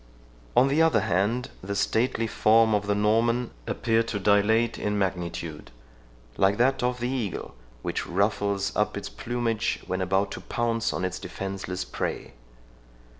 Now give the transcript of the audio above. On the other hand, the stately form of the Norman appeared to dilate in magnitude, like that of the eagle, which ruffles up its plumage when about to pounce on its defenceless prey.